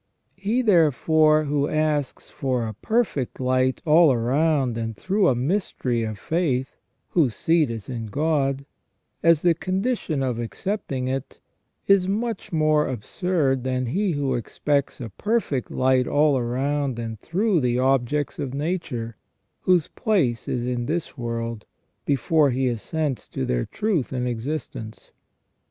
He, therefore, who asks for a perfect light all round and through a mystery of faith, whose seat is in God, as the condition of accepting it, is much more absurd than he who expects a perfect light all round and through the objects of nature, whose place is in this world, before he assents to their truth and existence.